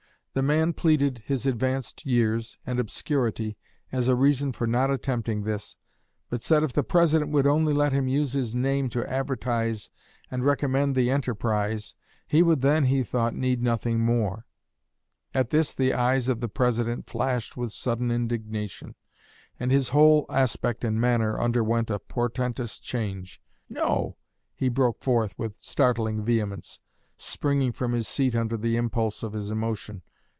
The man pleaded his advanced years and obscurity as a reason for not attempting this, but said if the President would only let him use his name to advertise and recommend the enterprise, he would then, he thought, need nothing more. At this the eyes of the President flashed with sudden indignation, and his whole aspect and manner underwent a portentous change. 'No!' he broke forth, with startling vehemence, springing from his seat under the impulse of his emotion.